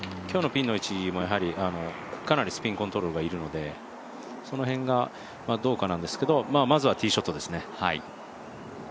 今日のピンの位置もかなりスピンコントロールが要るのでその辺がどうかなんですけど、まずはティーショットですね。